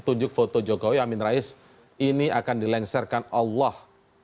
tunjuk foto jokowi amin rais ini akan dilengsarkan allah